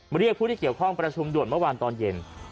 เรียกผู้ที่เกี่ยวข้องประชุมด่วนเมื่อวานตอนเย็น